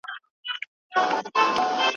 اشنا کوچ وکړ کوچي سو زه یې پرېښودم یوازي